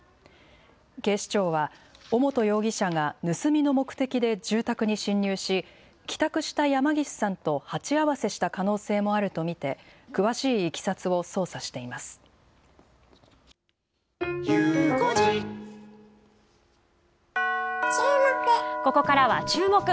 警視庁は、尾本容疑者が盗みの目的で住宅に侵入し、帰宅した山岸さんと鉢合わせした可能性もあると見て、詳しいいきさつを捜査しここからはチューモク！